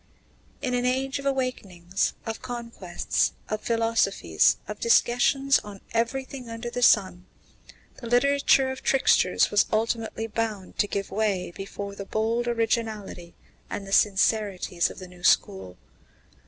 In an age of awakenings, of conquests, of philosophies, of discussions on everything under the sun, the literature of tricksters was ultimately bound to give way before the bold originality and the sincerities of the new school.